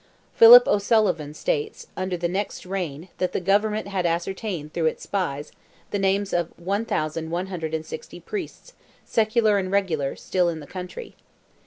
Philip O'Sullivan states, under the next reign that the government had ascertained through its spies, the names of 1,160 priests, secular and regular, still in the country.